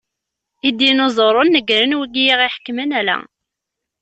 Idinuzuren negren wigi i aɣ-iḥekmen ala.